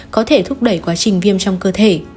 có thể thúc đẩy quá trình viêm trong cơ thể